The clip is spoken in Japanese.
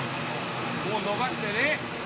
こう伸ばしてね。